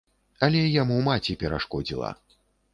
Але яму маці перашкодзіла.